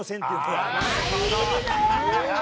なるほど！